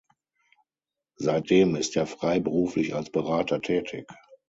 Seitdem ist er freiberuflich als Berater tätig.